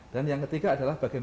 dan yang ketiga adalah berkecimpungan